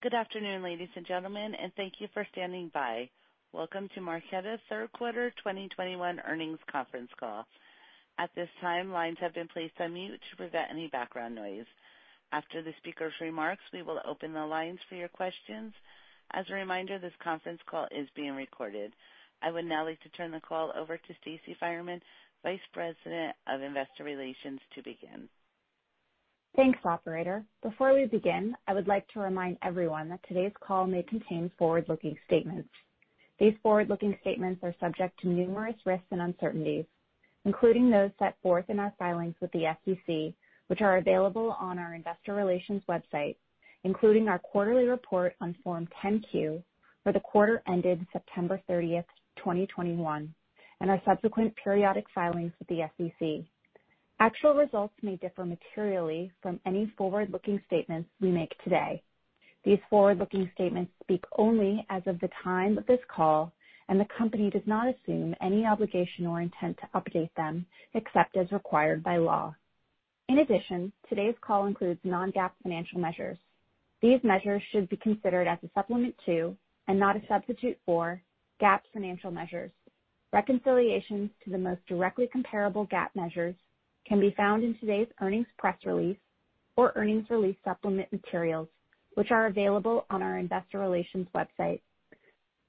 Good afternoon, ladies and gentlemen, and thank you for standing by. Welcome to Marqeta's third quarter 2021 earnings conference call. At this time, lines have been placed on mute to prevent any background noise. After the speaker's remarks, we will open the lines for your questions. As a reminder, this conference call is being recorded. I would now like to turn the call over to Stacey Finerman, Vice President of investor relations, to begin. Thanks, operator. Before we begin, I would like to remind everyone that today's call may contain forward-looking statements. These forward-looking statements are subject to numerous risks and uncertainties, including those set forth in our filings with the SEC, which are available on our investor relations website, including our quarterly report on Form 10-Q for the quarter ended September 30th, 2021, and our subsequent periodic filings with the SEC. Actual results may differ materially from any forward-looking statements we make today. These forward-looking statements speak only as of the time of this call, and the company does not assume any obligation or intent to update them except as required by law. In addition, today's call includes non-GAAP financial measures. These measures should be considered as a supplement to, and not a substitute for, GAAP financial measures. Reconciliations to the most directly comparable GAAP measures can be found in today's earnings press release or earnings release supplement materials, which are available on our investor relations website.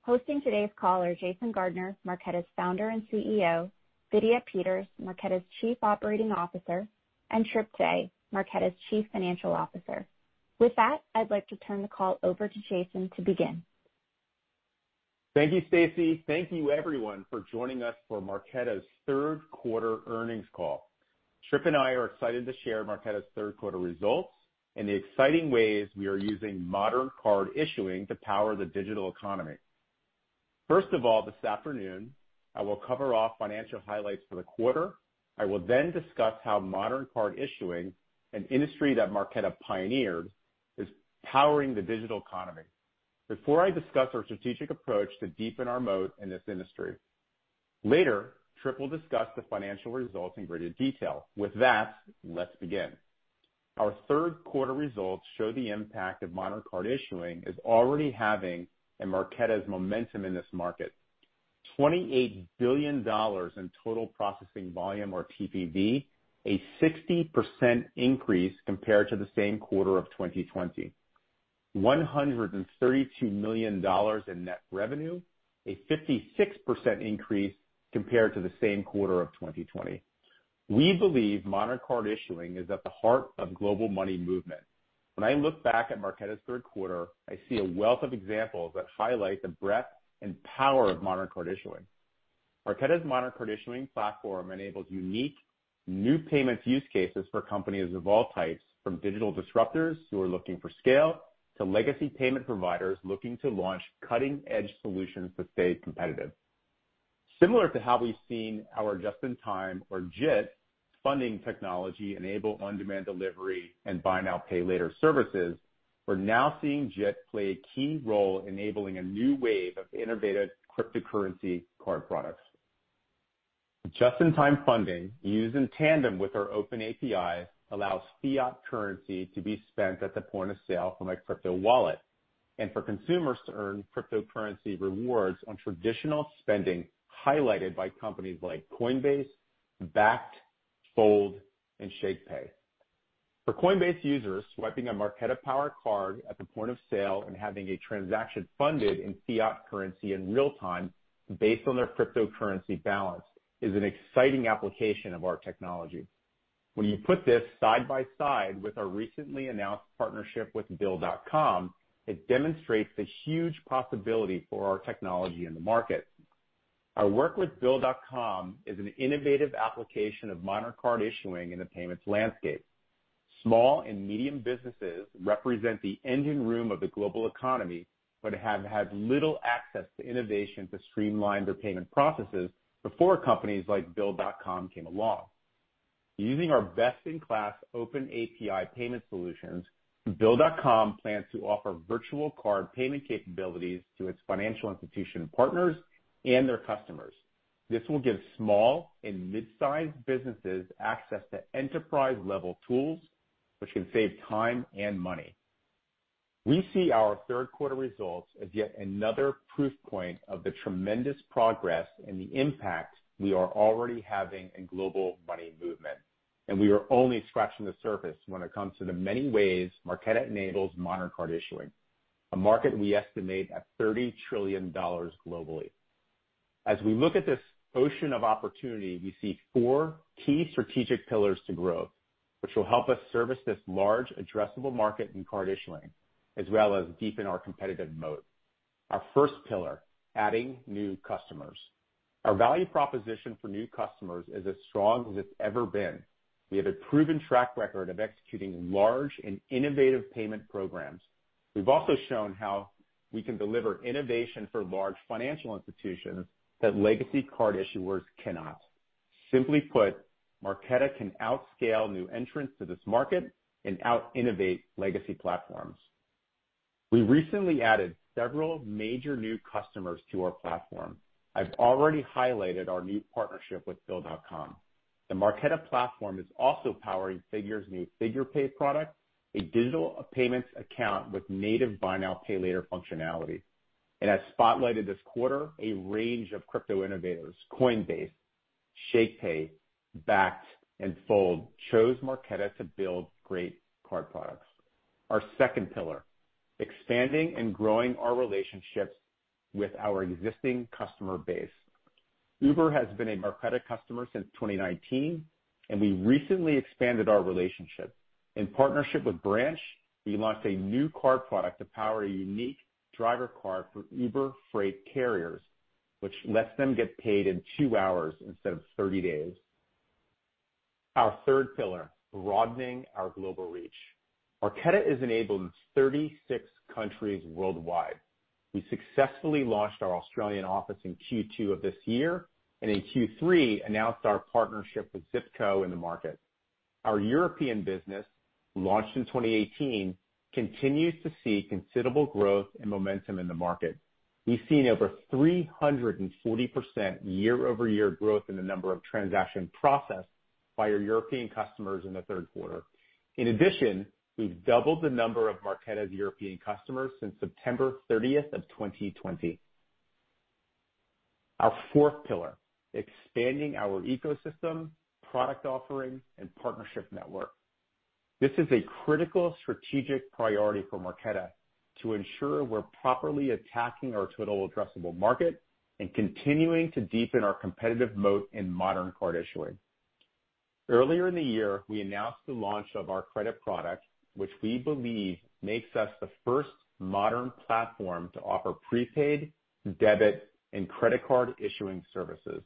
Hosting today's call are Jason Gardner, Marqeta's Founder and CEO, Vidya Peters, Marqeta's Chief Operating Officer, and Tripp Faix, Marqeta's Chief Financial Officer. With that, I'd like to turn the call over to Jason to begin. Thank you, Stacey. Thank you everyone for joining us for Marqeta's third quarter earnings call. Trip and I are excited to share Marqeta's third quarter results and the exciting ways we are using modern card issuing to power the digital economy. First of all, this afternoon, I will cover off financial highlights for the quarter. I will then discuss how modern card issuing, an industry that Marqeta pioneered, is powering the digital economy. Before I discuss our strategic approach to deepen our moat in this industry, later, Trip will discuss the financial results in greater detail. With that, let's begin. Our third quarter results show the impact of modern card issuing is already having in Marqeta's momentum in this market. $28 billion in total processing volume or TPV, a 60% increase compared to the same quarter of 2020. $132 million in net revenue, a 56% increase compared to the same quarter of 2020. We believe modern card issuing is at the heart of global money movement. When I look back at Marqeta's third quarter, I see a wealth of examples that highlight the breadth and power of modern card issuing. Marqeta's modern card issuing platform enables unique new payments use cases for companies of all types, from digital disruptors who are looking for scale to legacy payment providers looking to launch cutting-edge solutions to stay competitive. Similar to how we've seen our just-in-time or JIT funding technology enable on-demand delivery and buy now, pay later services, we're now seeing JIT play a key role enabling a new wave of innovative cryptocurrency card products. Just-in-time funding used in tandem with our open API allows fiat currency to be spent at the point of sale from a crypto wallet. For consumers to earn cryptocurrency rewards on traditional spending, highlighted by companies like Coinbase, Bakkt, Fold, and Shakepay. For Coinbase users, swiping a Marqeta-powered card at the point of sale and having a transaction funded in fiat currency in real time based on their cryptocurrency balance is an exciting application of our technology. When you put this side by side with our recently announced partnership with Bill.com, it demonstrates the huge possibility for our technology in the market. Our work with Bill.com is an innovative application of modern card issuing in the payments landscape. Small and medium businesses represent the engine room of the global economy but have had little access to innovation to streamline their payment processes before companies like Bill.com came along. Using our best-in-class open API payment solutions, Bill.com plans to offer virtual card payment capabilities to its financial institution partners and their customers. This will give small and mid-sized businesses access to enterprise-level tools which can save time and money. We see our third quarter results as yet another proof point of the tremendous progress and the impact we are already having in global money movement, and we are only scratching the surface when it comes to the many ways Marqeta enables modern card issuing, a market we estimate at $30 trillion globally. As we look at this ocean of opportunity, we see four key strategic pillars to growth, which will help us service this large addressable market in card issuing, as well as deepen our competitive moat. Our first pillar, adding new customers. Our value proposition for new customers is as strong as it's ever been. We have a proven track record of executing large and innovative payment programs. We've also shown how we can deliver innovation for large financial institutions that legacy card issuers cannot. Simply put, Marqeta can outscale new entrants to this market and out-innovate legacy platforms. We recently added several major new customers to our platform. I've already highlighted our new partnership with Bill.com. The Marqeta platform is also powering Figure's new Figure Pay product, a digital payments account with native buy now, pay later functionality. As spotlighted this quarter, a range of crypto innovators, Coinbase, Shakepay, Bakkt, and Fold chose Marqeta to build great card products. Our second pillar, expanding and growing our relationships with our existing customer base. Uber has been a Marqeta customer since 2019, and we recently expanded our relationship. In partnership with Branch, we launched a new card product to power a unique driver card for Uber Freight carriers, which lets them get paid in two hours instead of 30 days. Our third pillar, broadening our global reach. Marqeta is enabled in 36 countries worldwide. We successfully launched our Australian office in Q2 of this year, and in Q3, announced our partnership with Zip Co. in the market. Our European business, launched in 2018, continues to see considerable growth and momentum in the market. We've seen over 340% year-over-year growth in the number of transactions processed by our European customers in the third quarter. In addition, we've doubled the number of Marqeta's European customers since September 30th, 2020. Our fourth pillar, expanding our ecosystem, product offering, and partnership network. This is a critical strategic priority for Marqeta to ensure we're properly attacking our total addressable market and continuing to deepen our competitive moat in modern card issuing. Earlier in the year, we announced the launch of our credit product, which we believe makes us the first modern platform to offer prepaid, debit, and credit card issuing services.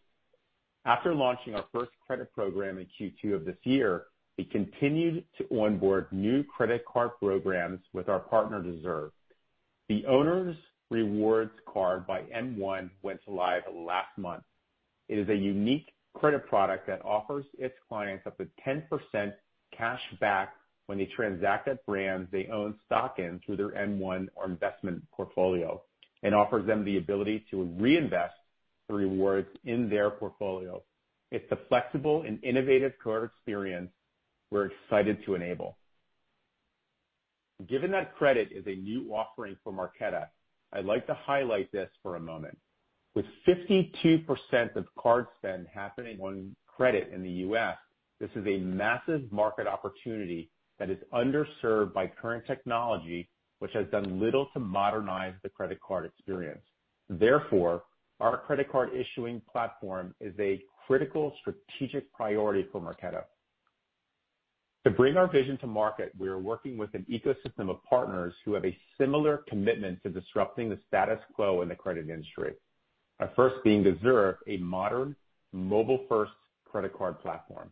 After launching our first credit program in Q2 of this year, we continued to onboard new credit card programs with our partner, Deserve. The Owner's Rewards Card by M1 went live last month. It is a unique credit product that offers its clients up to 10% cash back when they transact at brands they own stock in through their M1 or investment portfolio and offers them the ability to reinvest the rewards in their portfolio. It's a flexible and innovative card experience we're excited to enable. Given that credit is a new offering for Marqeta, I'd like to highlight this for a moment. With 52% of card spend happening on credit in the U.S., this is a massive market opportunity that is underserved by current technology, which has done little to modernize the credit card experience. Therefore, our credit card issuing platform is a critical strategic priority for Marqeta. To bring our vision to market, we are working with an ecosystem of partners who have a similar commitment to disrupting the status quo in the credit industry. Our first being Deserve, a modern mobile-first credit card platform.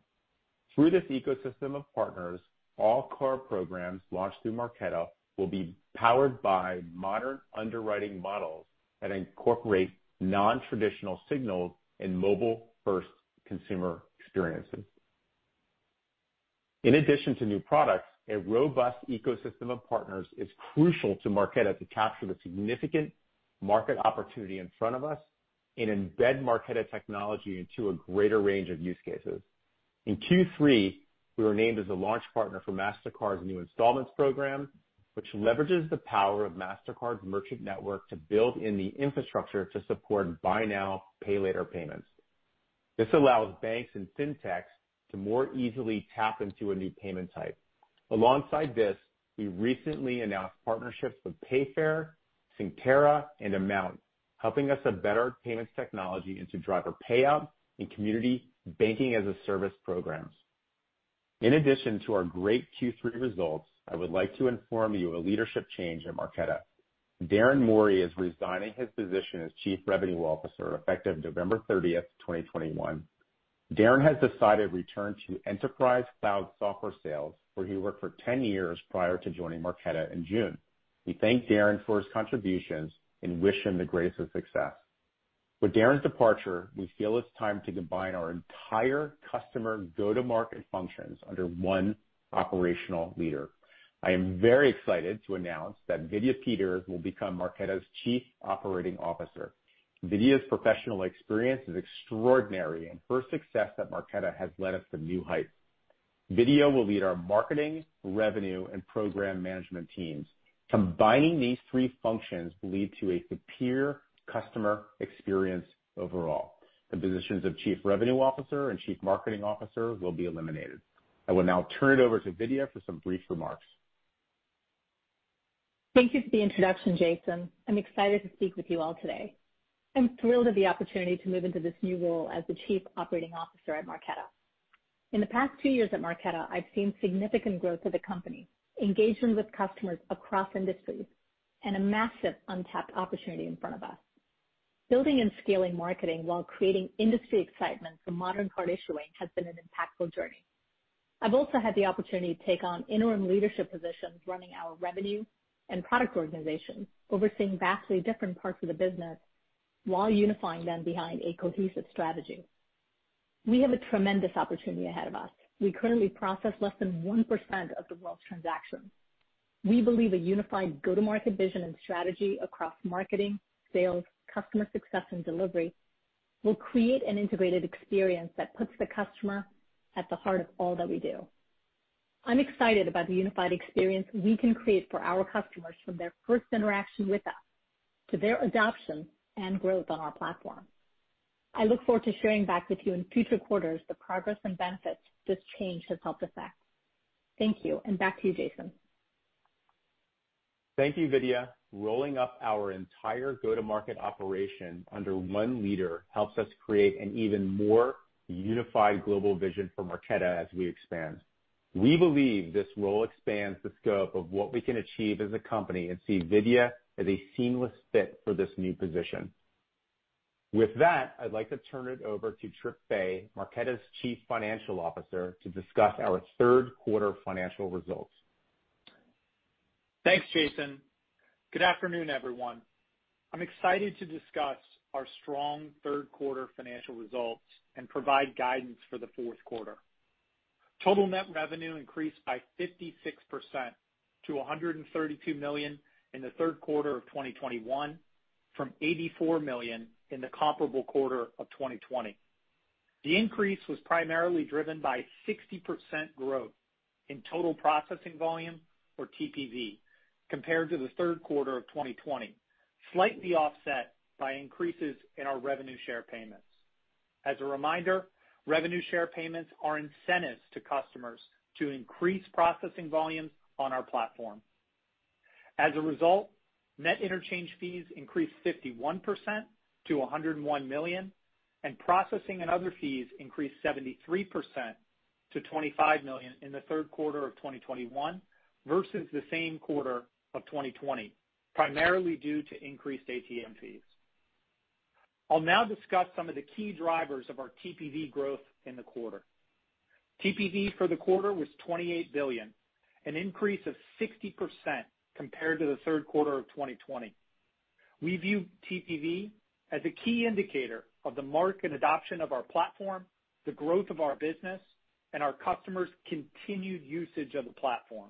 Through this ecosystem of partners, all card programs launched through Marqeta will be powered by modern underwriting models that incorporate non-traditional signals and mobile-first consumer experiences. In addition to new products, a robust ecosystem of partners is crucial to Marqeta to capture the significant market opportunity in front of us and embed Marqeta technology into a greater range of use cases. In Q3, we were named as a launch partner for Mastercard's new installments program, which leverages the power of Mastercard's merchant network to build in the infrastructure to support buy now, pay later payments. This allows banks and FinTechs to more easily tap into a new payment type. Alongside this, we recently announced partnerships with Payfare, Synctera, and Amount, helping us embed our payments technology into driver payout and community banking-as-a-service programs. In addition to our great Q3 results, I would like to inform you of a leadership change at Marqeta. Darren Mowry is resigning his position as Chief Revenue Officer effective November 30th, 2021. Darren has decided to return to enterprise cloud software sales, where he worked for 10 years prior to joining Marqeta in June. We thank Darren for his contributions and wish him the greatest of success. With Darren's departure, we feel it's time to combine our entire customer go-to-market functions under one operational leader. I am very excited to announce that Vidya Peters will become Marqeta's Chief Operating Officer. Vidya's professional experience is extraordinary, and her success at Marqeta has led us to new heights. Vidya will lead our marketing, revenue, and program management teams. Combining these three functions will lead to a superior customer experience overall. The positions of Chief Revenue Officer and Chief Marketing Officer will be eliminated. I will now turn it over to Vidya for some brief remarks. Thank you for the introduction, Jason. I'm excited to speak with you all today. I'm thrilled at the opportunity to move into this new role as the Chief Operating Officer at Marqeta. In the past two years at Marqeta, I've seen significant growth of the company, engagement with customers across industries, and a massive untapped opportunity in front of us. Building and scaling marketing while creating industry excitement for modern card issuing has been an impactful journey. I've also had the opportunity to take on interim leadership positions, running our revenue and product organizations, overseeing vastly different parts of the business while unifying them behind a cohesive strategy. We have a tremendous opportunity ahead of us. We currently process less than 1% of the world's transactions. We believe a unified go-to-market vision and strategy across marketing, sales, customer success, and delivery will create an integrated experience that puts the customer at the heart of all that we do. I'm excited about the unified experience we can create for our customers from their first interaction with us to their adoption and growth on our platform. I look forward to sharing back with you in future quarters the progress and benefits this change has helped affect. Thank you, and back to you, Jason. Thank you, Vidya. Rolling up our entire go-to-market operation under one leader helps us create an even more unified global vision for Marqeta as we expand. We believe this role expands the scope of what we can achieve as a company and see Vidya as a seamless fit for this new position. With that, I'd like to turn it over to Tripp Faix, Marqeta's Chief Financial Officer, to discuss our third quarter financial results. Thanks, Jason. Good afternoon, everyone. I'm excited to discuss our strong third quarter financial results and provide guidance for the fourth quarter. Total net revenue increased by 56% to $132 million in the third quarter of 2021 from $84 million in the comparable quarter of 2020. The increase was primarily driven by 60% growth in total processing volume, or TPV, compared to the third quarter of 2020, slightly offset by increases in our revenue share payments. As a reminder, revenue share payments are incentives to customers to increase processing volumes on our platform. As a result, net interchange fees increased 51% to $101 million, and processing and other fees increased 73% to $25 million in the third quarter of 2021 versus the same quarter of 2020, primarily due to increased ATM fees. I'll now discuss some of the key drivers of our TPV growth in the quarter. TPV for the quarter was 28 billion, an increase of 60% compared to the third quarter of 2020. We view TPV as a key indicator of the market adoption of our platform, the growth of our business, and our customers' continued usage of the platform.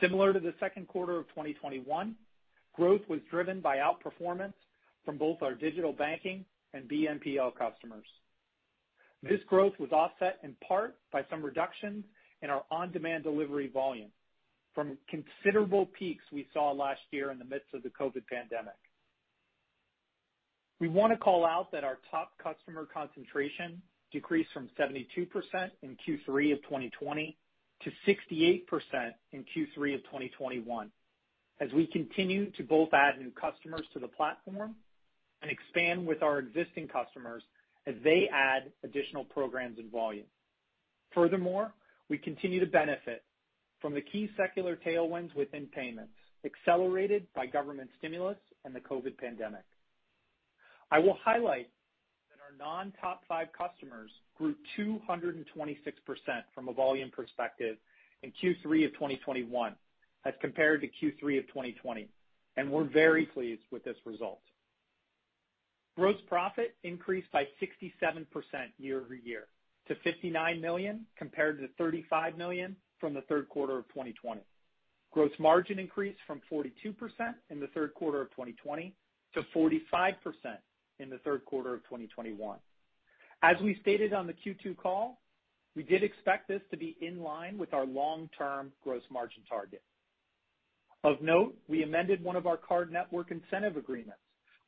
Similar to the second quarter of 2021, growth was driven by outperformance from both our digital banking and BNPL customers. This growth was offset in part by some reductions in our on-demand delivery volume from considerable peaks we saw last year in the midst of the COVID pandemic. We wanna call out that our top customer concentration decreased from 72% in Q3 of 2020 to 68% in Q3 of 2021 as we continue to both add new customers to the platform and expand with our existing customers as they add additional programs and volume. Furthermore, we continue to benefit from the key secular tailwinds within payments accelerated by government stimulus and the COVID pandemic. I will highlight that our non-top-five customers grew 226% from a volume perspective in Q3 of 2021 as compared to Q3 of 2020, and we're very pleased with this result. Gross profit increased by 67% year-over-year to $59 million compared to $35 million from the third quarter of 2020. Gross margin increased from 42% in the third quarter of 2020 to 45% in the third quarter of 2021. As we stated on the Q2 call, we did expect this to be in line with our long-term gross margin target. Of note, we amended one of our card network incentive agreements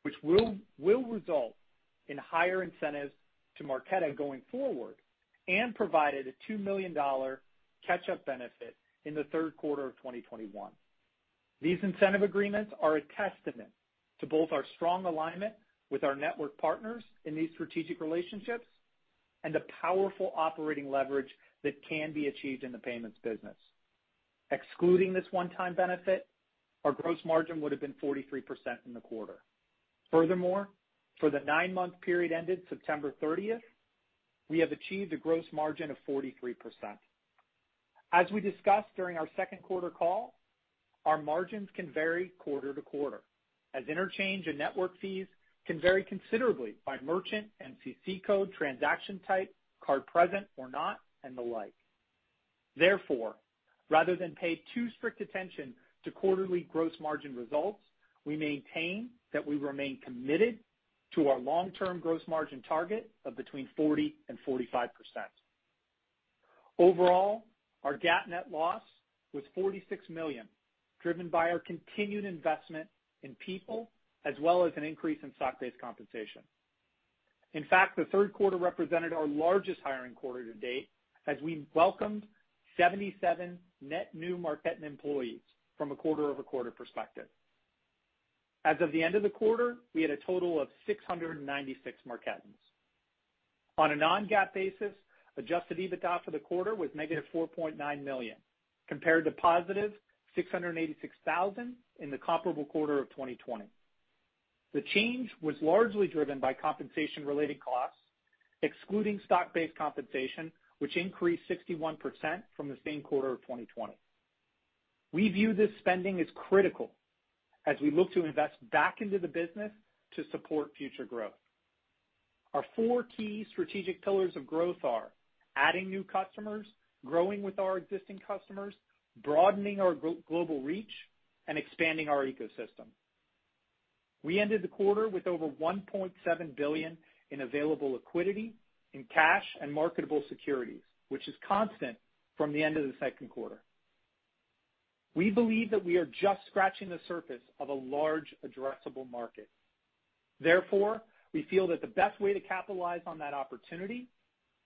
which will result in higher incentives to Marqeta going forward and provided a $2 million catch-up benefit in the third quarter of 2021. These incentive agreements are a testament to both our strong alignment with our network partners in these strategic relationships and the powerful operating leverage that can be achieved in the payments business. Excluding this one-time benefit, our gross margin would've been 43% in the quarter. Furthermore, for the nine-month period ended September 30th, we have achieved a gross margin of 43%. As we discussed during our second quarter call, our margins can vary quarter to quarter, as interchange and network fees can vary considerably by merchant, MCC code, transaction type, card present or not, and the like. Therefore, rather than pay too strict attention to quarterly gross margin results, we maintain that we remain committed to our long-term gross margin target of between 40%-45%. Overall, our GAAP net loss was $46 million, driven by our continued investment in people as well as an increase in stock-based compensation. In fact, the third quarter represented our largest hiring quarter to date as we welcomed 77 net new Marquetan employees from a quarter-over-quarter perspective. As of the end of the quarter, we had a total of 696 Marquetans. On a non-GAAP basis, adjusted EBITDA for the quarter was negative $4.9 million compared to positive $686,000 in the comparable quarter of 2020. The change was largely driven by compensation-related costs, excluding stock-based compensation, which increased 61% from the same quarter of 2020. We view this spending as critical as we look to invest back into the business to support future growth. Our four key strategic pillars of growth are adding new customers, growing with our existing customers, broadening our global reach, and expanding our ecosystem. We ended the quarter with over $1.7 billion in available liquidity in cash and marketable securities, which is constant from the end of the second quarter. We believe that we are just scratching the surface of a large addressable market. Therefore, we feel that the best way to capitalize on that opportunity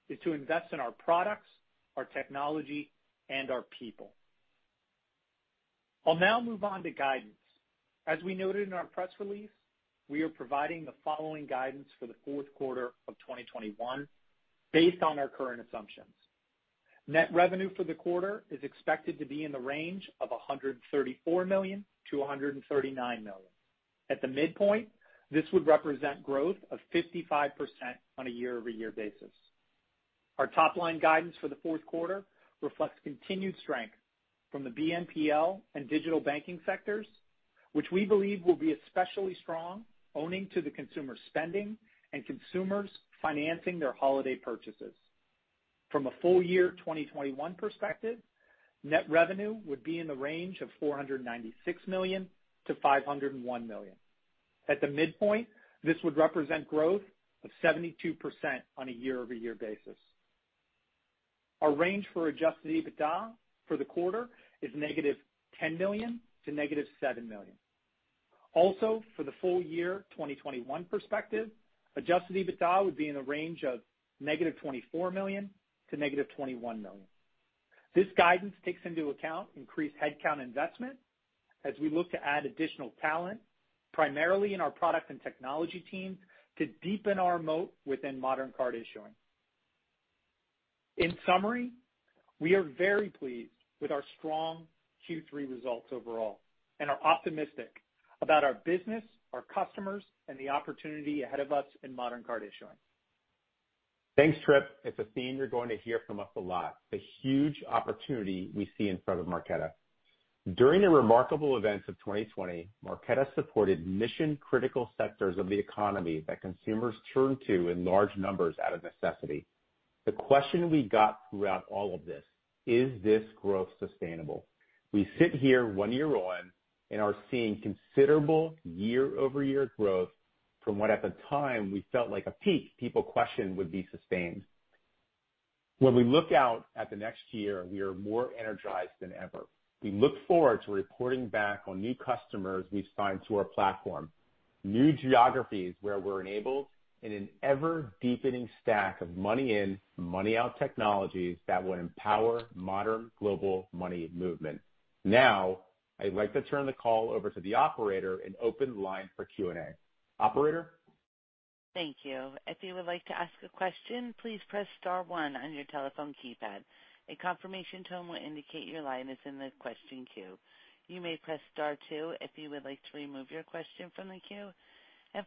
is to invest in our products, our technology, and our people. I'll now move on to guidance. As we noted in our press release, we are providing the following guidance for the fourth quarter of 2021 based on our current assumptions. Net revenue for the quarter is expected to be in the range of $134 million-$139 million. At the midpoint, this would represent growth of 55% on a year-over-year basis. Our top line guidance for the fourth quarter reflects continued strength from the BNPL and digital banking sectors, which we believe will be especially strong owing to the consumer spending and consumers financing their holiday purchases. From a full year 2021 perspective, net revenue would be in the range of $496 million-$501 million. At the midpoint, this would represent growth of 72% on a year-over-year basis. Our range for Adjusted EBITDA for the quarter is -$10 million to -$7 million. For the full year 2021 perspective, Adjusted EBITDA would be in the range of -$24 million to -$21 million. This guidance takes into account increased headcount investment as we look to add additional talent, primarily in our product and technology teams, to deepen our moat within modern card issuing. In summary, we are very pleased with our strong Q3 results overall and are optimistic about our business, our customers, and the opportunity ahead of us in modern card issuance. Thanks, Tripp. It's a theme you're going to hear from us a lot, the huge opportunity we see in front of Marqeta. During the remarkable events of 2020, Marqeta supported mission-critical sectors of the economy that consumers turned to in large numbers out of necessity. The question we got throughout all of this, is this growth sustainable? We sit here one year on and are seeing considerable year-over-year growth from what at the time we felt like a peak people questioned would be sustained. When we look out at the next year, we are more energized than ever. We look forward to reporting back on new customers we've signed to our platform, new geographies where we're enabled, and an ever-deepening stack of money in, money out technologies that will empower modern global money movement. Now, I'd like to turn the call over to the operator and open the line for Q&A. Operator? Thank you. If you would like to ask a question, please press star one on your telephone keypad. A confirmation tone will indicate your line is in the question queue. You may press star two if you would like to remove your question from the queue.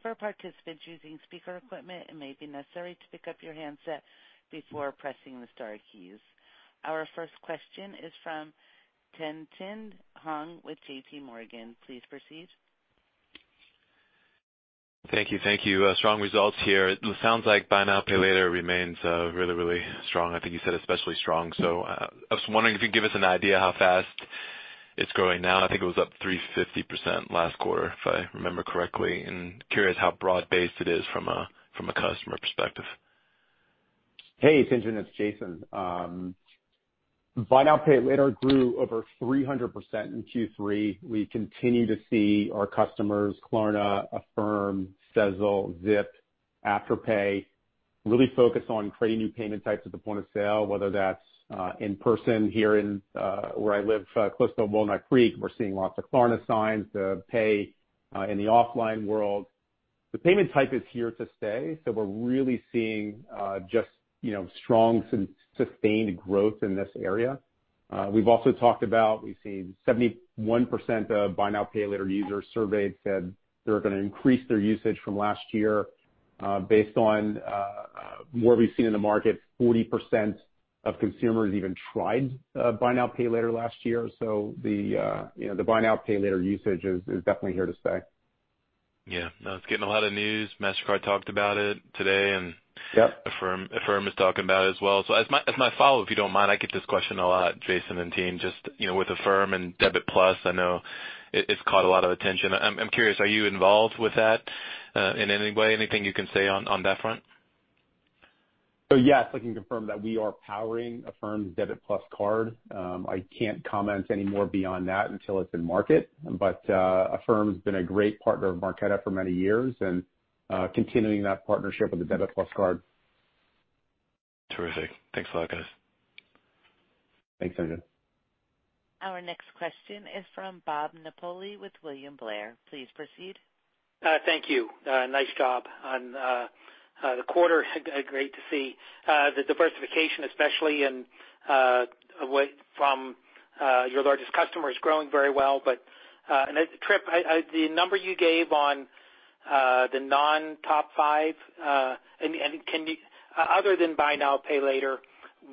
For participants using speaker equipment, it may be necessary to pick up your handset before pressing the star keys. Our first question is from Tien-Tsin Huang with JPMorgan. Please proceed. Thank you. Strong results here. It sounds like buy now, pay later remains really strong. I think you said especially strong. I was wondering if you could give us an idea how fast it's growing now. I think it was up 350% last quarter, if I remember correctly. Curious how broad-based it is from a customer perspective. Hey, Tien-Tsin, it's Jason. Buy now, pay later grew over 300% in Q3. We continue to see our customers, Klarna, Affirm, Sezzle, Zip, Afterpay, really focus on creating new payment types at the point of sale, whether that's in person here in where I live close to Walnut Creek. We're seeing lots of Klarna signs, the pay in the offline world. The payment type is here to stay, so we're really seeing just you know strong sustained growth in this area. We've also talked about, we've seen 71% of buy now, pay later users surveyed said they're gonna increase their usage from last year. Based on what we've seen in the market, 40% of consumers even tried buy now, pay later last year. The, you know, the buy now, pay later usage is definitely here to stay. Yeah. No, it's getting a lot of news. Mastercard talked about it today and Yep. Affirm is talking about it as well. As my follow-up, if you don't mind, I get this question a lot, Jason and team, just, you know, with Affirm and Debit+, I know it's caught a lot of attention. I'm curious, are you involved with that in any way? Anything you can say on that front? Yes, I can confirm that we are powering Affirm's Debit+ card. I can't comment anymore beyond that until it's in market. Affirm's been a great partner of Marqeta for many years and continuing that partnership with the Debit+ card. Terrific. Thanks a lot, guys. Thanks, Tien-Tsin. Our next question is from Bob Napoli with William Blair. Please proceed. Thank you. Nice job on the quarter. Great to see the diversification, especially away from your largest customers growing very well. Tripp, the number you gave on... The non-top five, and can you other than buy now, pay later,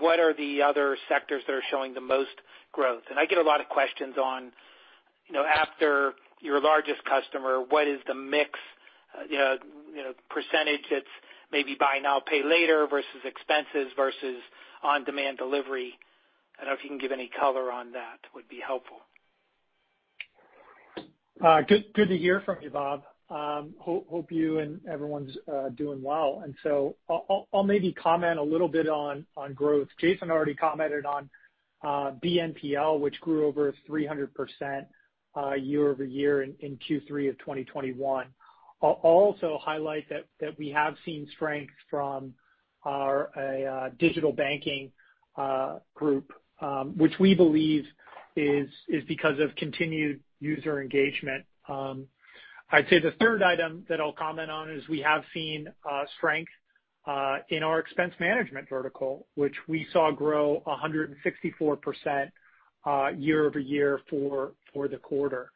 what are the other sectors that are showing the most growth? I get a lot of questions on, you know, after your largest customer, what is the mix, you know, percentage that's maybe buy now, pay later versus expenses versus on-demand delivery? I don't know if you can give any color on that would be helpful. Good to hear from you, Bob. Hope you and everyone's doing well. I'll maybe comment a little bit on growth. Jason already commented on BNPL, which grew over 300% year-over-year in Q3 of 2021. I'll also highlight that we have seen strength from our digital banking group, which we believe is because of continued user engagement. I'd say the third item that I'll comment on is we have seen strength in our expense management vertical, which we saw grow 164% year-over-year for the quarter.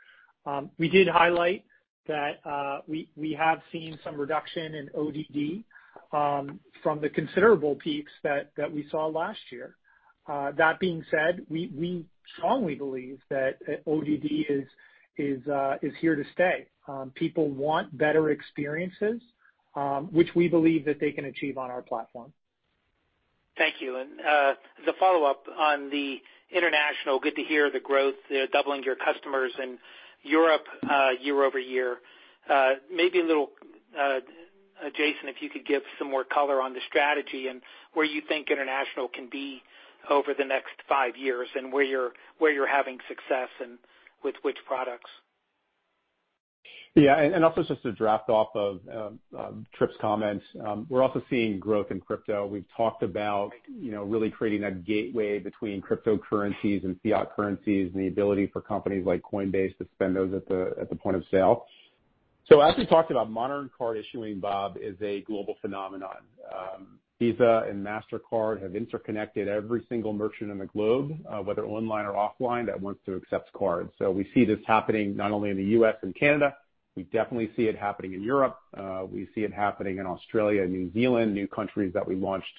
We did highlight that we have seen some reduction in ODD from the considerable peaks that we saw last year. That being said, we strongly believe that ODD is here to stay. People want better experiences, which we believe that they can achieve on our platform. Thank you. As a follow-up on the international, good to hear the growth, doubling your customers in Europe year-over-year. Maybe a little, Jason, if you could give some more color on the strategy and where you think international can be over the next five years and where you're having success and with which products. Yeah. Also just to build off of Tripp's comments. We're also seeing growth in crypto. We've talked about, you know, really creating that gateway between cryptocurrencies and fiat currencies and the ability for companies like Coinbase to spend those at the point of sale. As we talked about, modern card issuing, Bob, is a global phenomenon. Visa and Mastercard have interconnected every single merchant in the globe, whether online or offline, that wants to accept cards. We see this happening not only in the U.S. and Canada, we definitely see it happening in Europe. We see it happening in Australia and New Zealand, new countries that we launched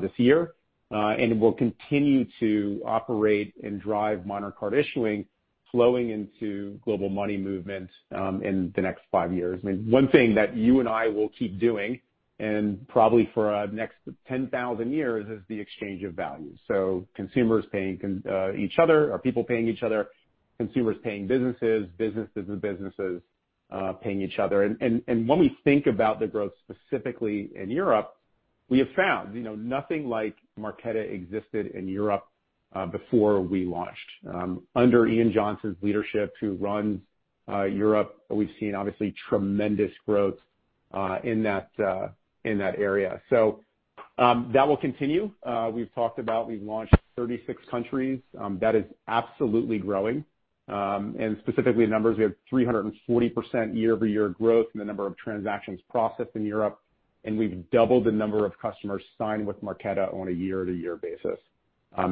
this year. We'll continue to operate and drive modern card issuing flowing into global money movement in the next five years. I mean, one thing that you and I will keep doing, and probably for the next 10,000 years, is the exchange of value. Consumers paying each other or people paying each other, consumers paying businesses and businesses paying each other. When we think about the growth specifically in Europe, we have found, you know, nothing like Marqeta existed in Europe before we launched. Under Ian Johnson's leadership, who runs Europe, we've seen obviously tremendous growth in that area. That will continue. We've talked about. We've launched 36 countries. That is absolutely growing. And specifically numbers, we have 340% year-over-year growth in the number of transactions processed in Europe, and we've doubled the number of customers signed with Marqeta on a year-to-year basis.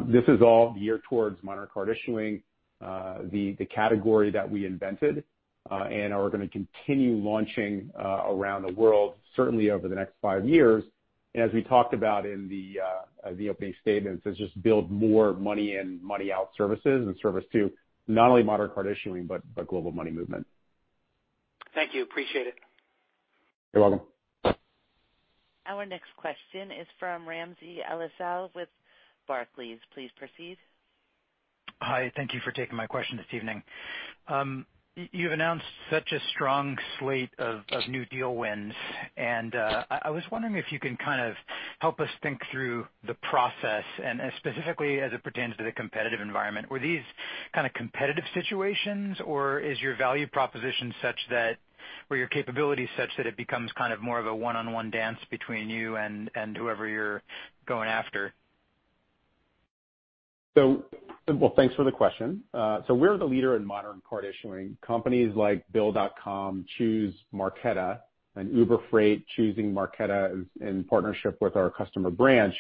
This is all geared towards modern card issuing, the category that we invented, and are gonna continue launching around the world certainly over the next five years. As we talked about in the opening statements, is just build more money in, money out services and service to not only modern card issuing, but global money movement. Thank you. Appreciate it. You're welcome. Our next question is from Ramsey El-Assal with Barclays. Please proceed. Hi. Thank you for taking my question this evening. You've announced such a strong slate of new deal wins, and I was wondering if you can kind of help us think through the process and specifically as it pertains to the competitive environment. Were these kind of competitive situations, or is your value proposition such that, or your capabilities such that it becomes kind of more of a one-on-one dance between you and whoever you're going after? Well, thanks for the question. We're the leader in modern card issuing. Companies like Bill.com choose Marqeta and Uber Freight choosing Marqeta is in partnership with our customer Branch,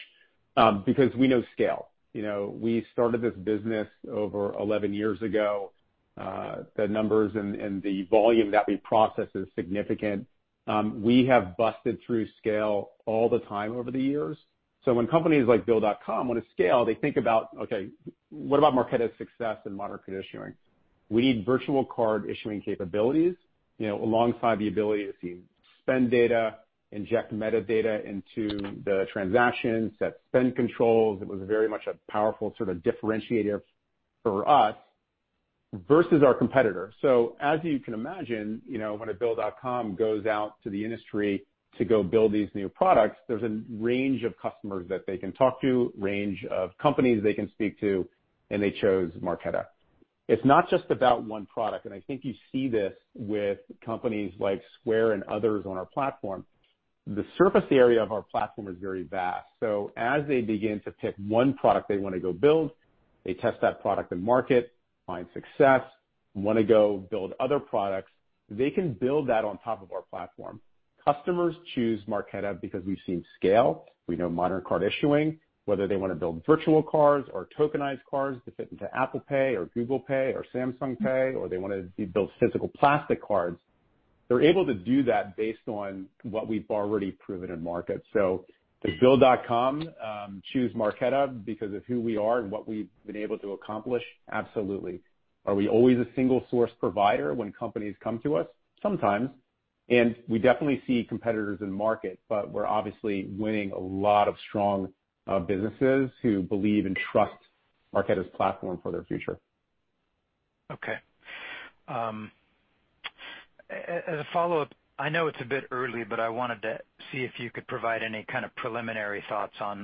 because we know scale. You know, we started this business over 11 years ago. The numbers and the volume that we process is significant. We have busted through scale all the time over the years. When companies like Bill.com want to scale, they think about, okay, what about Marqeta's success in modern card issuing? We need virtual card issuing capabilities, you know, alongside the ability to see spend data, inject metadata into the transactions, set spend controls. It was very much a powerful sort of differentiator for us versus our competitors. As you can imagine, you know, when a Bill.com goes out to the industry to go build these new products, there's a range of customers that they can talk to, range of companies they can speak to, and they chose Marqeta. It's not just about one product, and I think you see this with companies like Square and others on our platform. The surface area of our platform is very vast. As they begin to pick one product they wanna go build, they test that product and market, find success, wanna go build other products, they can build that on top of our platform. Customers choose Marqeta because we've seen scale. We know modern card issuing, whether they want to build virtual cards or tokenized cards to fit into Apple Pay or Google Pay or Samsung Pay, or they want to build physical plastic cards. They're able to do that based on what we've already proven in market. Did Bill.com choose Marqeta because of who we are and what we've been able to accomplish? Absolutely. Are we always a single source provider when companies come to us? Sometimes. We definitely see competitors in market, but we're obviously winning a lot of strong businesses who believe and trust Marqeta's platform for their future. Okay. As a follow-up, I know it's a bit early, but I wanted to see if you could provide any kind of preliminary thoughts on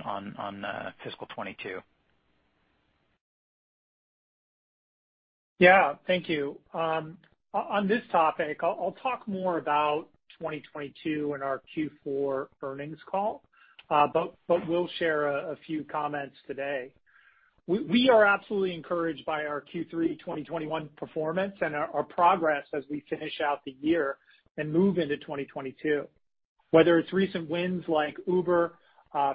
fiscal 2022. Thank you. On this topic I'll talk more about 2022 in our Q4 earnings call, but we'll share a few comments today. We are absolutely encouraged by our Q3 2021 performance and our progress as we finish out the year and move into 2022. Whether it's recent wins like Uber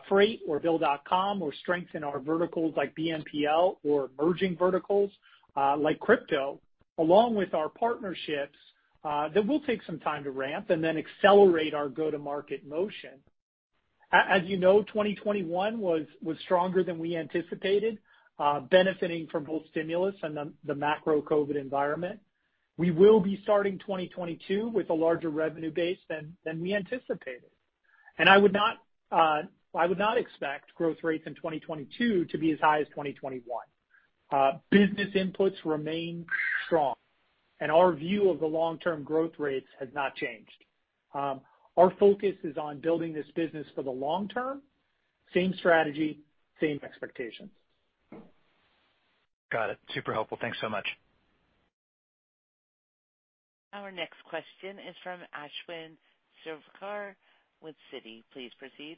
Freight or Bill.com or strength in our verticals like BNPL or emerging verticals like crypto, along with our partnerships that will take some time to ramp and then accelerate our go-to-market motion. As you know, 2021 was stronger than we anticipated, benefiting from both stimulus and the macro COVID environment. We will be starting 2022 with a larger revenue base than we anticipated. I would not expect growth rates in 2022 to be as high as 2021. Business inputs remain strong and our view of the long-term growth rates has not changed. Our focus is on building this business for the long term, same strategy, same expectations. Got it. Super helpful. Thanks so much. Our next question is from Ashwin Shirvaikar with Citi. Please proceed.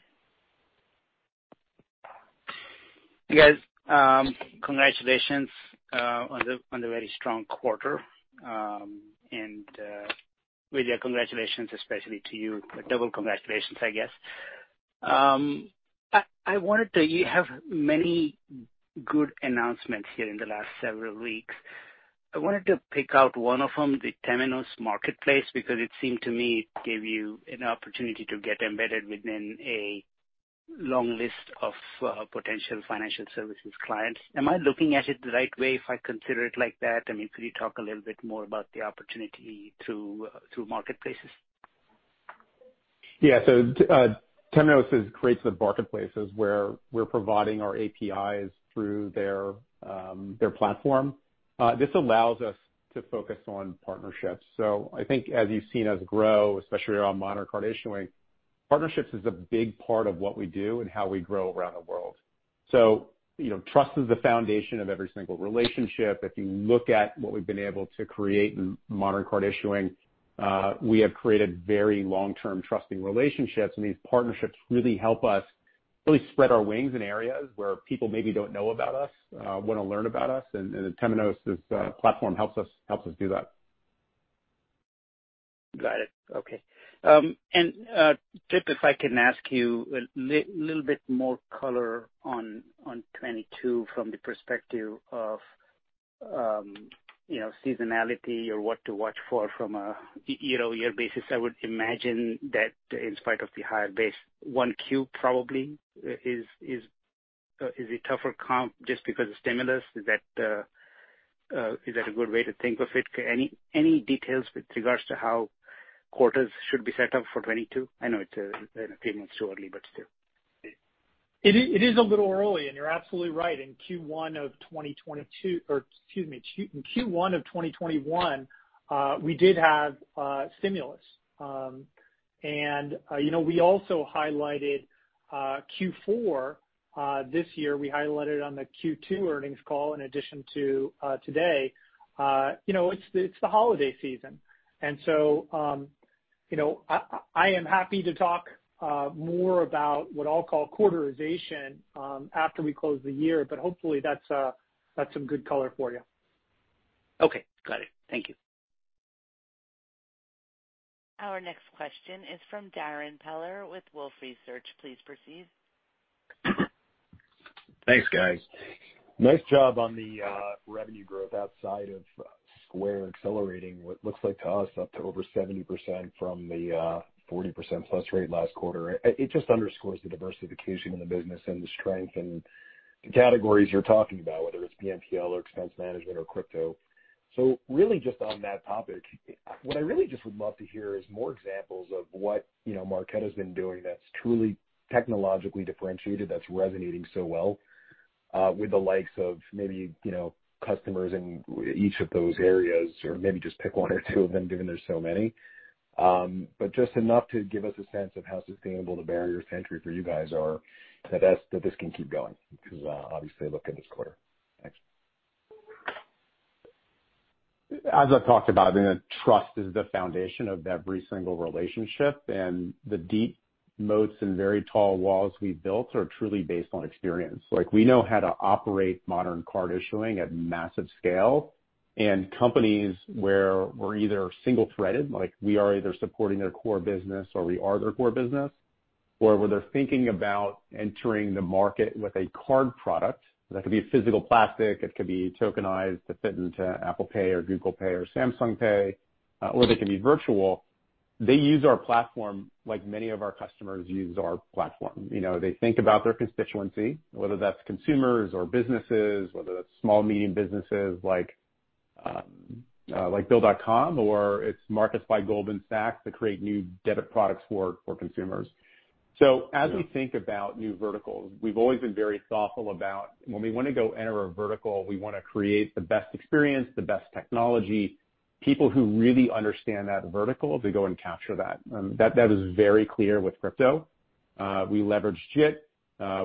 Hey, guys, congratulations on the very strong quarter, and Vidya, congratulations especially to you. A double congratulations, I guess. You have many good announcements here in the last several weeks. I wanted to pick out one of them, the Temenos Marketplace, because it seemed to me it gave you an opportunity to get embedded within a long list of potential financial services clients. Am I looking at it the right way if I consider it like that? I mean, could you talk a little bit more about the opportunity through marketplaces? Yeah. Temenos creates the marketplaces where we're providing our APIs through their platform. This allows us to focus on partnerships. I think as you've seen us grow, especially around modern card issuing, partnerships is a big part of what we do and how we grow around the world. You know, trust is the foundation of every single relationship. If you look at what we've been able to create in modern card issuing, we have created very long-term trusting relationships. These partnerships really help us spread our wings in areas where people maybe don't know about us, wanna learn about us. The Temenos's platform helps us do that. Got it. Okay. Tripp, if I can ask you a little bit more color on 2022 from the perspective of, you know, seasonality or what to watch for from a year-over-year basis. I would imagine that in spite of the higher base, Q1 probably is a tougher comp just because of stimulus. Is that a good way to think of it? Any details with regards to how quarters should be set up for 2022? I know it's three months too early, but still. It is a little early, and you're absolutely right. In Q1 of 2022 or, excuse me, Q1 of 2021, we did have stimulus. You know, we also highlighted Q4 this year. We highlighted on the Q2 earnings call in addition to today, you know, it's the holiday season. You know, I am happy to talk more about what I'll call quarterization after we close the year, but hopefully that's some good color for you. Okay. Got it. Thank you. Our next question is from Darrin Peller with Wolfe Research. Please proceed. Thanks, guys. Nice job on the revenue growth outside of Square accelerating what looks like to us up to over 70% from the 40% plus rate last quarter. It just underscores the diversification in the business and the strength in the categories you're talking about, whether it's BNPL or expense management or crypto. Really just on that topic, what I really just would love to hear is more examples of what, you know, Marqeta's been doing that's truly technologically differentiated, that's resonating so well with the likes of maybe, you know, customers in each of those areas, or maybe just pick one or two of them, given there's so many. Just enough to give us a sense of how sustainable the barriers to entry for you guys are that this can keep going because, obviously look at this quarter. Thanks. As I've talked about, you know, trust is the foundation of every single relationship. The deep moats and very tall walls we've built are truly based on experience. Like, we know how to operate modern card issuing at massive scale. Companies where we're either single-threaded, like we are either supporting their core business or we are their core business or where they're thinking about entering the market with a card product, that could be physical plastic, it could be tokenized to fit into Apple Pay or Google Pay or Samsung Pay, or they can be virtual. They use our platform like many of our customers use our platform. You know, they think about their constituency, whether that's consumers or businesses, whether that's small, medium businesses like like Bill.com or it's Marcus by Goldman Sachs to create new debit products for consumers. As we think about new verticals, we've always been very thoughtful about when we wanna go enter a vertical, we wanna create the best experience, the best technology, people who really understand that vertical to go and capture that. That is very clear with crypto. We leveraged JIT.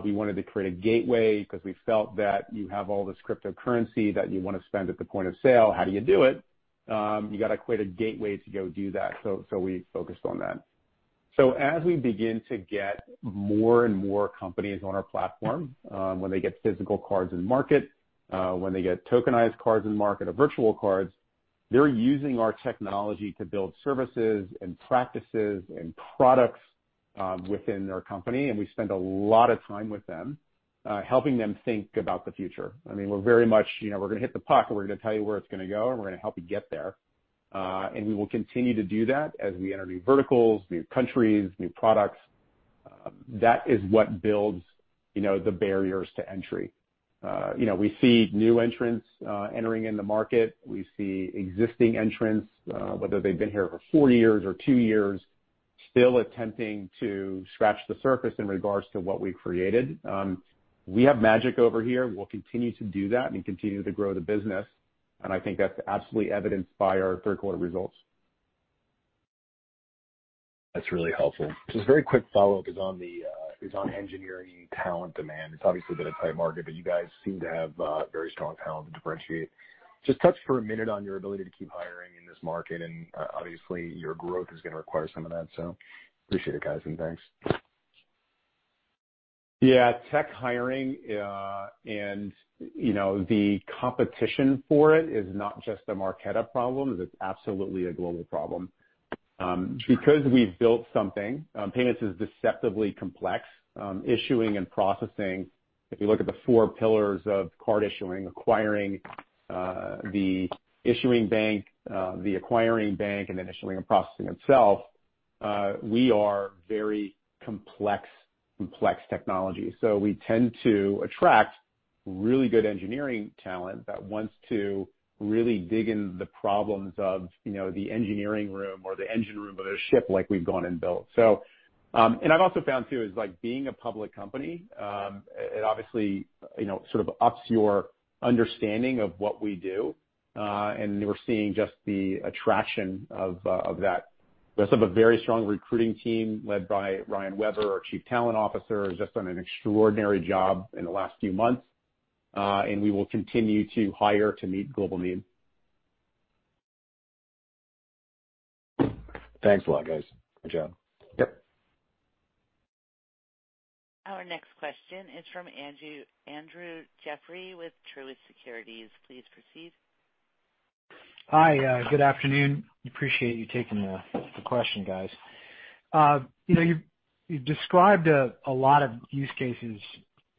We wanted to create a gateway because we felt that you have all this cryptocurrency that you wanna spend at the point of sale, how do you do it? You gotta create a gateway to go do that. We focused on that. As we begin to get more and more companies on our platform, when they get physical cards in market, when they get tokenized cards in market or virtual cards, they're using our technology to build services and practices and products, within their company, and we spend a lot of time with them, helping them think about the future. I mean, we're very much, you know, we're gonna hit the puck, we're gonna tell you where it's gonna go, and we're gonna help you get there. We will continue to do that as we enter new verticals, new countries, new products. That is what builds, you know, the barriers to entry. You know, we see new entrants entering in the market. We see existing entrants, whether they've been here for 40 years or two years, still attempting to scratch the surface in regards to what we've created. We have magic over here. We'll continue to do that and continue to grow the business, and I think that's absolutely evidenced by our third quarter results. That's really helpful. Just a very quick follow-up on engineering talent demand. It's obviously been a tight market, but you guys seem to have very strong talent to differentiate. Just touch for a minute on your ability to keep hiring in this market, and obviously, your growth is gonna require some of that. Appreciate it, guys, and thanks. Yeah, tech hiring, and you know, the competition for it is not just a Marqeta problem, it's absolutely a global problem. Because we've built something, payments is deceptively complex, issuing and processing. If you look at the four pillars of card issuing, acquiring, the issuing bank, the acquiring bank, and then issuing and processing itself, we are very complex technology. We tend to attract really good engineering talent that wants to really dig into the problems of, you know, the engineering room or the engine room of a ship like we've gone and built. I've also found too is, like, being a public company, it obviously, you know, sort of ups your understanding of what we do, and we're seeing just the attraction of that. We also have a very strong recruiting team led by Ryan Weber, our Chief Talent Officer, has just done an extraordinary job in the last few months, and we will continue to hire to meet global needs. Thanks a lot, guys. Good job. Yep. Our next question is from Andrew Jeffrey with Truist Securities. Please proceed. Hi, good afternoon. Appreciate you taking the question, guys. You know, you've described a lot of use cases,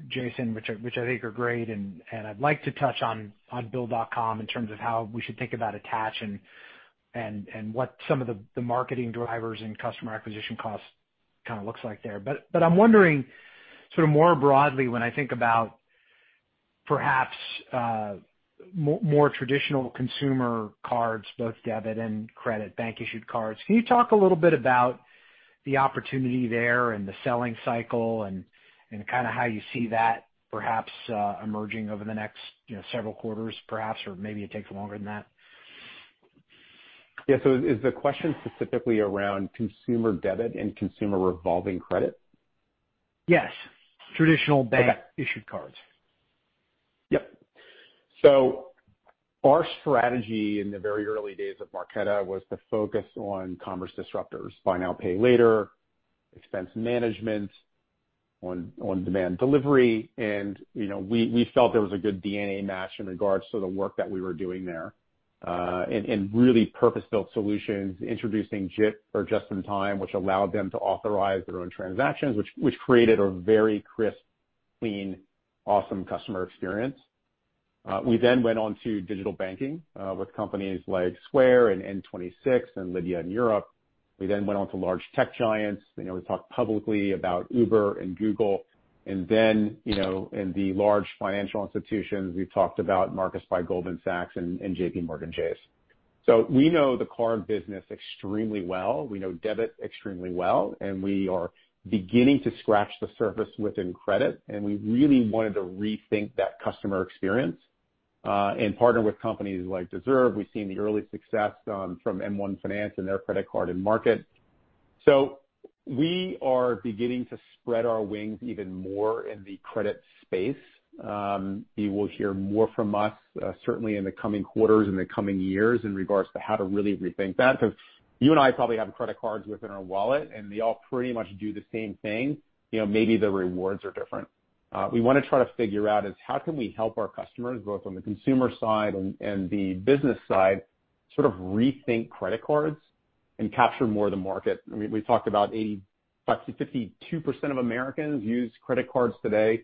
Jason, which I think are great and I'd like to touch on Bill.com in terms of how we should think about attach and what some of the marketing drivers and customer acquisition costs kinda looks like there. I'm wondering, sort of more broadly when I think about perhaps more traditional consumer cards, both debit and credit, bank-issued cards. Can you talk a little bit about the opportunity there and the selling cycle and kinda how you see that perhaps emerging over the next, you know, several quarters, perhaps? Or maybe it takes longer than that. Yeah. Is the question specifically around consumer debit and consumer revolving credit? Yes. Okay. Issued cards. Our strategy in the very early days of Marqeta was to focus on commerce disruptors, buy now, pay later, expense management, on-demand delivery, and you know, we felt there was a good DNA match in regards to the work that we were doing there. Really purpose-built solutions, introducing JIT or Just-In-Time, which allowed them to authorize their own transactions, which created a very crisp, clean, awesome customer experience. We went on to digital banking with companies like Square and N26 and Lydia in Europe. We went on to large tech giants. You know, we talked publicly about Uber and Google. You know, in the large financial institutions, we've talked about Marcus by Goldman Sachs and JPMorgan Chase. We know the card business extremely well. We know debit extremely well, and we are beginning to scratch the surface within credit, and we really wanted to rethink that customer experience, and partner with companies like Deserve. We've seen the early success from M1 Finance and their credit card in market. We are beginning to spread our wings even more in the credit space. You will hear more from us, certainly in the coming quarters, in the coming years in regards to how to really rethink that. 'Cause you and I probably have credit cards within our wallet, and they all pretty much do the same thing. You know, maybe the rewards are different. We wanna try to figure out is how can we help our customers, both on the consumer side and the business side. Sort of rethink credit cards and capture more of the market. I mean, we talked about 50%-52% of Americans use credit cards today.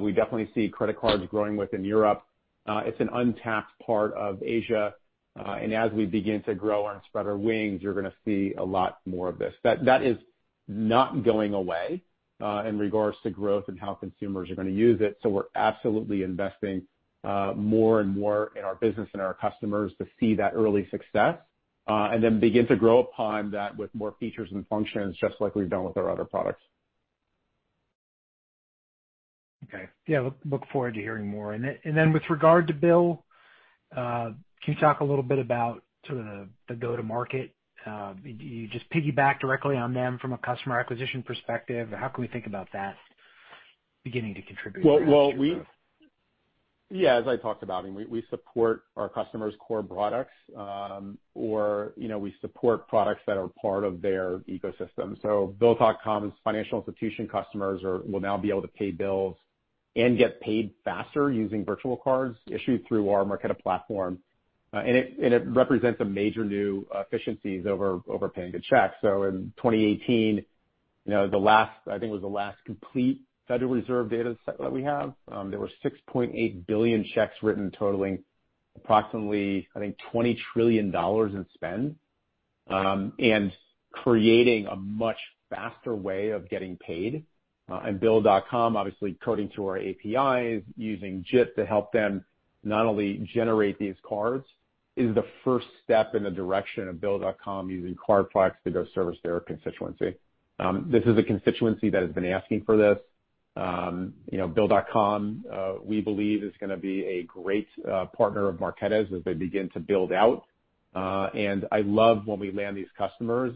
We definitely see credit cards growing within Europe. It's an untapped part of Asia. As we begin to grow and spread our wings, you're gonna see a lot more of this. That is not going away in regards to growth and how consumers are gonna use it. We're absolutely investing more and more in our business and our customers to see that early success and then begin to grow upon that with more features and functions, just like we've done with our other products. Okay. Yeah. Look forward to hearing more. Then, with regard to Bill, can you talk a little bit about sort of the go-to-market? Do you just piggyback directly on them from a customer acquisition perspective? How can we think about that beginning to contribute to growth? Well, yeah, as I talked about, I mean, we support our customers' core products, you know, we support products that are part of their ecosystem. Bill.com's financial institution customers will now be able to pay bills and get paid faster using virtual cards issued through our Marqeta platform. It represents a major new efficiencies over paying the checks. In 2018, I think it was the last complete Federal Reserve data set that we have, there were 6.8 billion checks written totaling approximately $20 trillion in spend, and creating a much faster way of getting paid. Bill.com obviously coding to our APIs, using JIT to help them not only generate these cards, is the first step in the direction of Bill.com using card products to go service their constituency. This is a constituency that has been asking for this. You know, Bill.com, we believe is gonna be a great partner of Marqeta's as they begin to build out. I love when we land these customers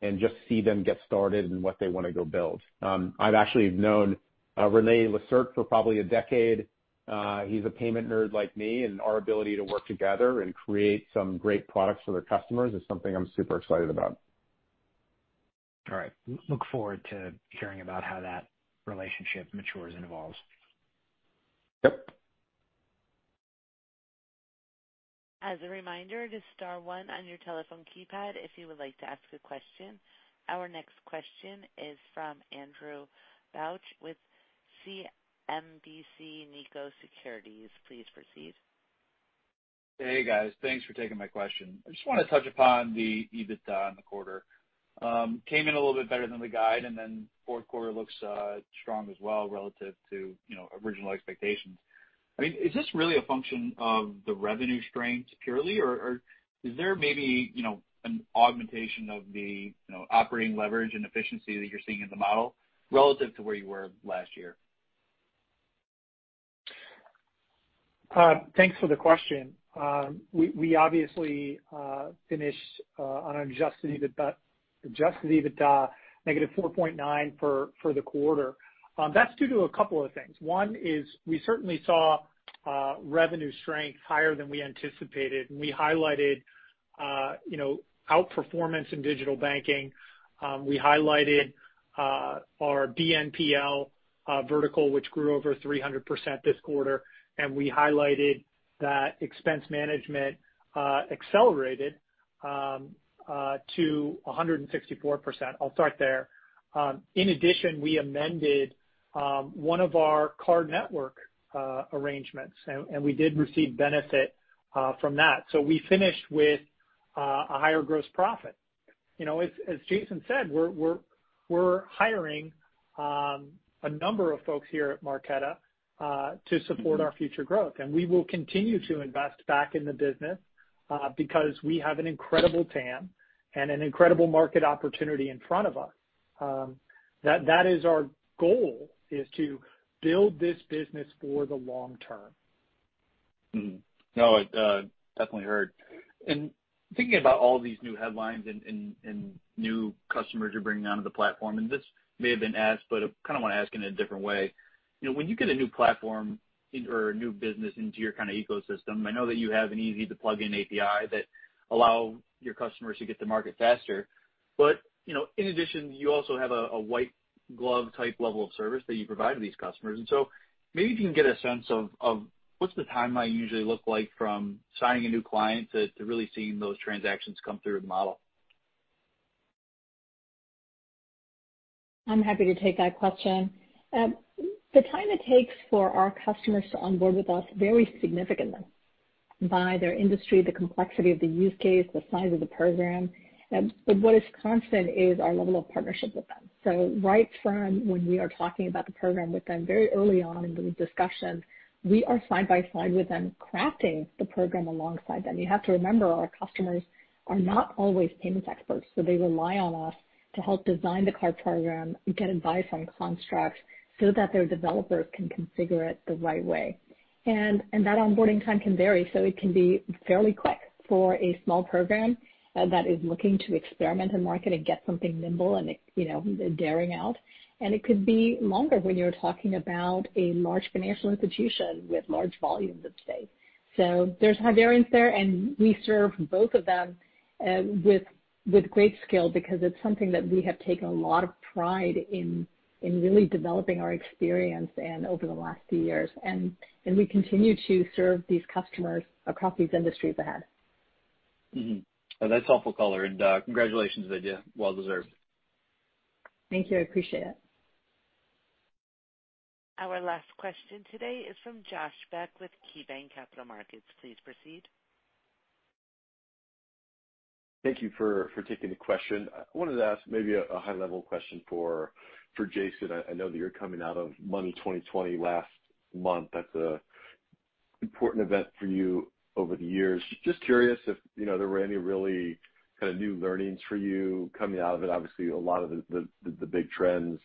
and just see them get started in what they wanna go build. I've actually known René Lacerte for probably a decade. He's a payment nerd like me, and our ability to work together and create some great products for their customers is something I'm super excited about. All right. I look forward to hearing about how that relationship matures and evolves. Yep. As a reminder to star one on your telephone keypad if you would like to ask a question. Our next question is from Andrew Bauch with SMBC Nikko Securities. Please proceed. Hey, guys. Thanks for taking my question. I just wanna touch upon the EBITDA in the quarter. It came in a little bit better than the guide, and then fourth quarter looks strong as well relative to, you know, original expectations. I mean, is this really a function of the revenue strength purely, or is there maybe, you know, an augmentation of the, you know, operating leverage and efficiency that you're seeing in the model relative to where you were last year? Thanks for the question. We obviously finished on adjusted EBITDA -4.9 for the quarter. That's due to a couple of things. One is we certainly saw revenue strength higher than we anticipated, and we highlighted you know outperformance in digital banking. We highlighted our BNPL vertical, which grew over 300% this quarter. We highlighted that expense management accelerated to 164%. I'll start there. In addition, we amended one of our card network arrangements, and we did receive benefit from that. We finished with a higher gross profit. You know, as Jason said, we're hiring a number of folks here at Marqeta to support our future growth. We will continue to invest back in the business, because we have an incredible TAM and an incredible market opportunity in front of us. That is our goal is to build this business for the long term. No, it definitely heard. Thinking about all these new headlines and new customers you're bringing onto the platform, and this may have been asked, but I kind of wanna ask in a different way. You know, when you get a new platform or a new business into your kind of ecosystem, I know that you have an easy to plug-in API that allow your customers to get to market faster. But you know, in addition, you also have a white glove type level of service that you provide to these customers. Maybe if you can get a sense of what's the timeline usually look like from signing a new client to really seeing those transactions come through the model. I'm happy to take that question. The time it takes for our customers to onboard with us varies significantly by their industry, the complexity of the use case, the size of the program. But what is constant is our level of partnership with them. Right from when we are talking about the program with them very early on in the discussions, we are side by side with them crafting the program alongside them. You have to remember our customers are not always payments experts, so they rely on us to help design the card program, get advice on constructs so that their developers can configure it the right way. And that onboarding time can vary, so it can be fairly quick for a small program that is looking to experiment in market and get something nimble and, you know, daring out. It could be longer when you're talking about a large financial institution with large volumes at stake. There's high variance there, and we serve both of them. With great skill because it's something that we have taken a lot of pride in really developing our experience over the last few years. We continue to serve these customers across these industries ahead. Well, that's helpful color and congratulations, Vidya. Well deserved. Thank you. I appreciate it. Our last question today is from Josh Beck with KeyBanc Capital Markets. Please proceed. Thank you for taking the question. I wanted to ask maybe a high-level question for Jason. I know that you're coming out of Money20/20 last month. That's an important event for you over the years. Just curious if, you know, there were any really kinda new learnings for you coming out of it. Obviously, a lot of the big trends,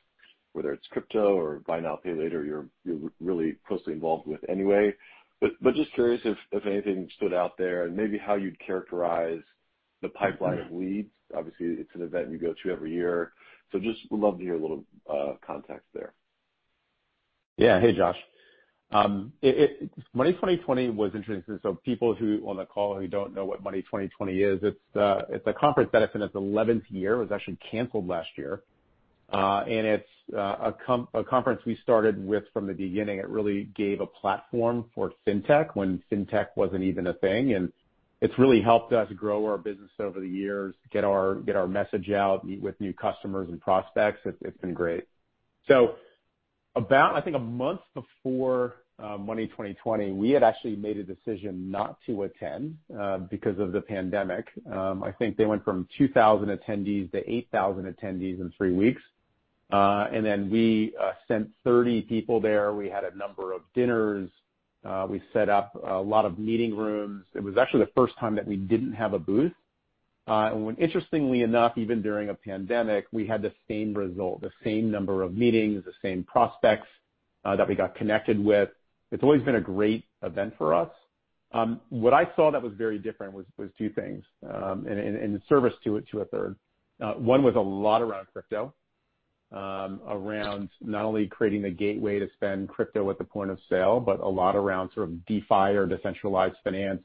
whether it's crypto or buy now, pay later, you're really closely involved with anyway. But just curious if anything stood out there and maybe how you'd characterize the pipeline of leads. Obviously, it's an event you go to every year. So just would love to hear a little context there. Hey, Josh. Money20/20 was interesting. People who are on the call who don't know what Money20/20 is, it's a conference that's in its 11th year. It was actually canceled last year. It's a conference we started with from the beginning. It really gave a platform for fintech when fintech wasn't even a thing. It's really helped us grow our business over the years, get our message out, meet with new customers and prospects. It's been great. About, I think, a month before Money20/20, we had actually made a decision not to attend because of the pandemic. I think they went from 2,000 attendees to 8,000 attendees in three weeks. Then we sent 30 people there. We had a number of dinners. We set up a lot of meeting rooms. It was actually the first time that we didn't have a booth. When interestingly enough, even during a pandemic, we had the same result, the same number of meetings, the same prospects that we got connected with. It's always been a great event for us. What I saw that was very different was two things, and in service to it, a third. One was a lot around crypto, around not only creating the gateway to spend crypto at the point of sale, but a lot around sort of DeFi or decentralized finance,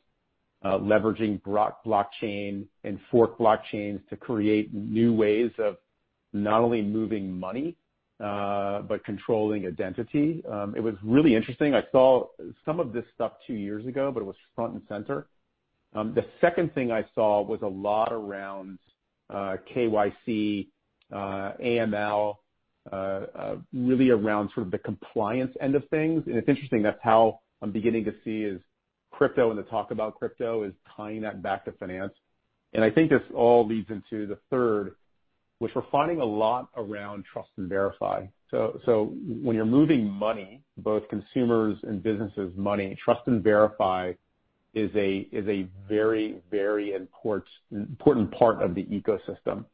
leveraging blockchain and fork blockchains to create new ways of not only moving money, but controlling identity. It was really interesting. I saw some of this stuff two years ago, but it was front and center. The second thing I saw was a lot around KYC, AML, really around sort of the compliance end of things. It's interesting, that's how I'm beginning to see is crypto and the talk about crypto is tying that back to finance. I think this all leads into the third, which we're finding a lot around trust and verify. When you're moving money, both consumers and businesses money, trust and verify is a very important part of the ecosystem.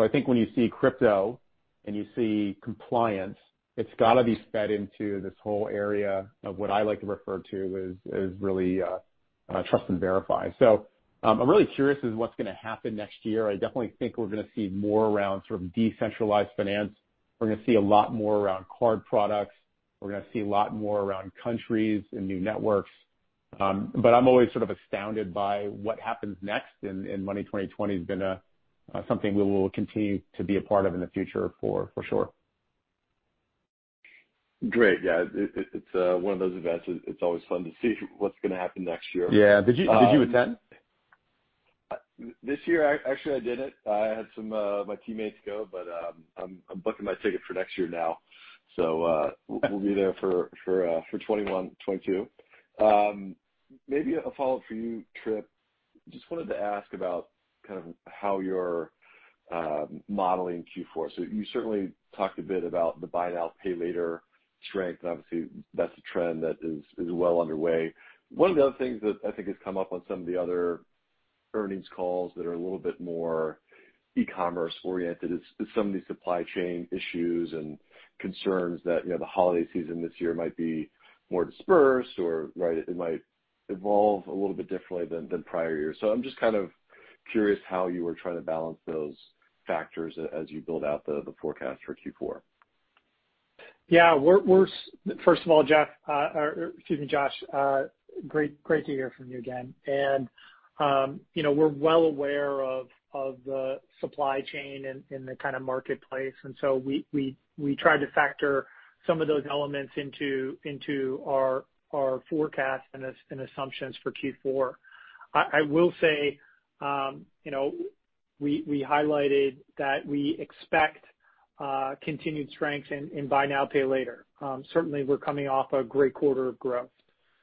I think when you see crypto and you see compliance, it's gotta be fed into this whole area of what I like to refer to as really trust and verify. I'm really curious as to what's gonna happen next year. I definitely think we're gonna see more around sort of decentralized finance. We're gonna see a lot more around card products. We're gonna see a lot more around countries and new networks. I'm always sort of astounded by what happens next. Money20/20 has been a something we will continue to be a part of in the future for sure. Great. Yeah. It's one of those events that it's always fun to see what's gonna happen next year. Yeah. Did you attend? This year, actually, I didn't. I had some of my teammates go, but I'm booking my ticket for next year now. We'll be there for 2021-2022. Maybe a follow-up for you, Tripp. Just wanted to ask about kind of how you're modeling Q4. So you certainly talked a bit about the buy now, pay later strength. Obviously, that's a trend that is well underway. One of the other things that I think has come up on some of the other earnings calls that are a little bit more e-commerce oriented is some of these supply chain issues and concerns that, you know, the holiday season this year might be more dispersed or, right, it might evolve a little bit differently than prior years. I'm just kind of curious how you are trying to balance those factors as you build out the forecast for Q4. Yeah. First of all, Jeff, or excuse me, Josh, great to hear from you again. You know, we're well aware of the supply chain and the kinda marketplace. We try to factor some of those elements into our forecast and assumptions for Q4. I will say, you know, we highlighted that we expect continued strength in buy now, pay later. Certainly, we're coming off a great quarter of growth.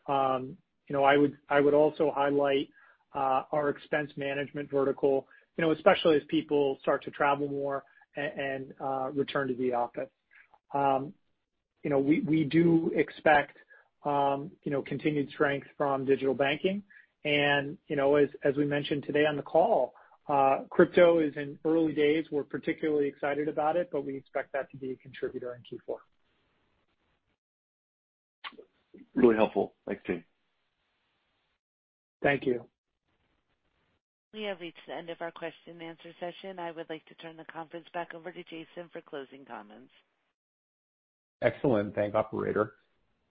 You know, I would also highlight our expense management vertical, especially as people start to travel more and return to the office. You know, we do expect continued strength from digital banking. You know, as we mentioned today on the call, crypto is in early days. We're particularly excited about it, but we expect that to be a contributor in Q4. Really helpful. Thanks, team. Thank you. We have reached the end of our question and answer session. I would like to turn the conference back over to Jason for closing comments. Excellent. Thank you, operator.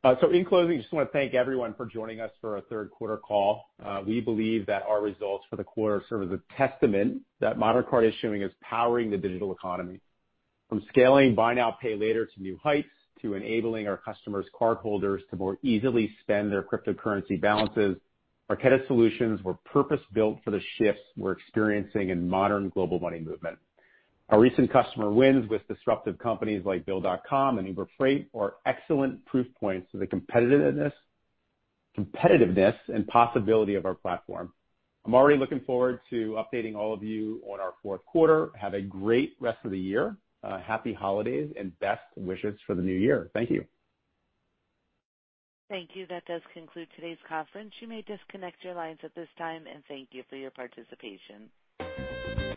In closing, just wanna thank everyone for joining us for our third quarter call. We believe that our results for the quarter serve as a testament that Modern Card Issuing is powering the digital economy. From scaling buy now, pay later to new heights to enabling our customers' cardholders to more easily spend their cryptocurrency balances, Marqeta solutions were purpose-built for the shifts we're experiencing in modern global money movement. Our recent customer wins with disruptive companies like Bill.com and Uber Freight are excellent proof points to the competitiveness and possibility of our platform. I'm already looking forward to updating all of you on our fourth quarter. Have a great rest of the year. Happy holidays and best wishes for the new year. Thank you. Thank you. That does conclude today's conference. You may disconnect your lines at this time, and thank you for your participation.